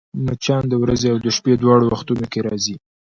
مچان د ورځي او شپې دواړو وختونو کې راځي